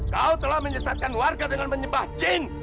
kau telah menyesatkan warga dengan menyebah jeng